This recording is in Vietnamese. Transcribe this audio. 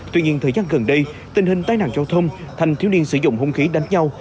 tuy nhiên thời gian gần đây tình hình tai nạn giao thông thành thiếu niên sử dụng hung khí đánh nhau